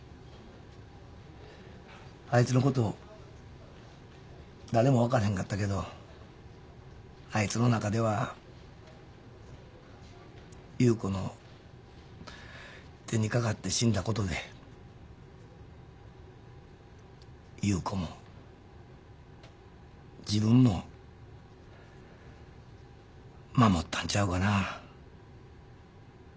あいつのこと誰も分からへんかったけどあいつの中では優子の手にかかって死んだことで優子も自分も守ったんちゃうかな。